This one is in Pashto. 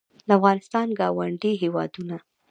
د افغانستان ګاونډي هېوادونه